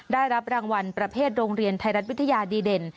ได้รับรางวัลประเภทโรงเรียนไทยรัฐวิทยาดีเด่น